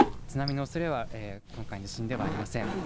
津波のおそれは今回の地震ではありません。